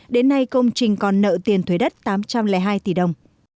đến nay công trình còn nợ tiền thuế đất tám trăm linh hai tỷ đồng